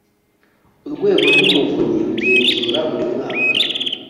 Urwego rw Umuvunyi rugenzura buri mwaka